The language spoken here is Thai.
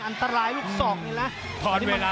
อันตรายลุงสอกนี่แหละ